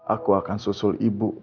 aku akan susul ibu